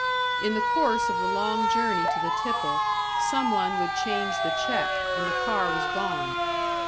In the course of the long journey to the tipple, some one would change the check, and the car was gone.